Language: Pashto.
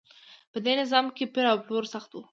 په دې نظام کې پیر او پلور سخت و.